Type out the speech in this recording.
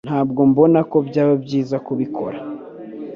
Ntabwo mbona ko byaba byiza kubikora.